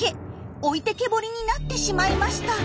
置いてけぼりになってしまいました。